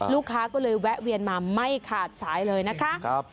ลูกค้าก็เลยแวะเวียนมาไม่ขาดสายเลยนะคะ